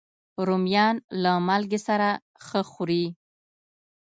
رومیان له مالګې سره ښه خوري